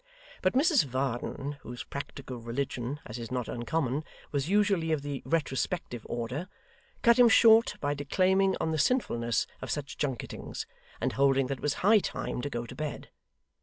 But Mrs Varden, whose practical religion (as is not uncommon) was usually of the retrospective order, cut him short by declaiming on the sinfulness of such junketings, and holding that it was high time to go to bed.